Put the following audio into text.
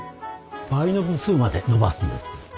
倍の部数まで伸ばすんです。